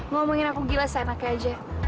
ngomongin aku gila seenaknya aja